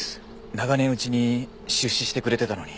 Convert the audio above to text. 長年うちに出資してくれてたのに。